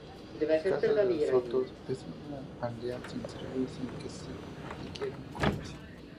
Casas de Sotos es una aldea sin servicios, sin ni siquiera un comercio.